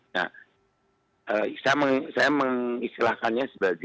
nah saya mengistilahkannya sebagai